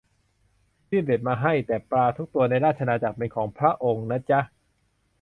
ยื่นเบ็ดมาให้ แต่ปลาทุกตัวในราชอาณาจักรเป็นของพระองค์นะจ๊ะ